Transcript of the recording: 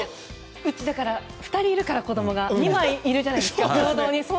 うち、子供が２人いるから２枚いるじゃないですか。